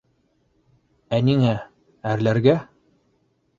Ә ниңә... әрләргә?